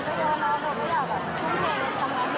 แต่ว่าคือเรามีสักความตัดขนาดนี้ให้กันมาตลอด